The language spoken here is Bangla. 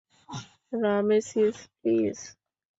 Ramesses, please.